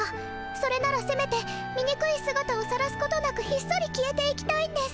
それならせめてみにくいすがたをさらすことなくひっそり消えていきたいんです。